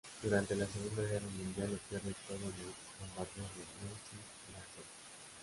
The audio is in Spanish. Durante la Segunda Guerra Mundial lo pierde todo en el bombardeo de Noisy-le-Sec.